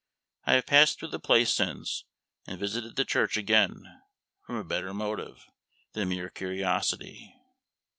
I have passed through the place since, and visited the church again from a better motive than mere curiosity.